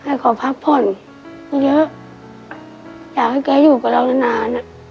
ขอพักผ่อนเยอะอยากให้แกอยู่กับเรานานนาน